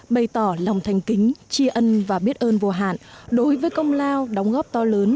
bày tỏ lòng thanh kính tri ân và biết ơn vô hạn đối với công lao đóng góp to lớn